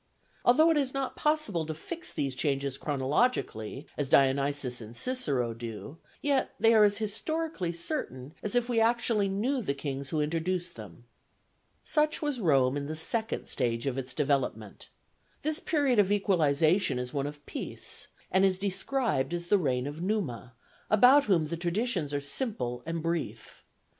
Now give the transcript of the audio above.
Although it is not possible to fix these changes chronologically, as Dionysius and Cicero do, yet they are as historically certain as if we actually knew the kings who introduced them. Such was Rome in the second stage of its development. This period of equalization is one of peace, and is described as the reign of Numa, about whom the traditions are simple and brief.